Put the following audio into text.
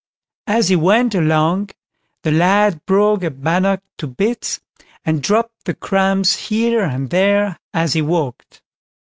As he went along the lad broke a bannock to bits, and dropped the crumbs here and there as he walked.